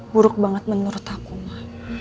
buruk banget menurut aku mah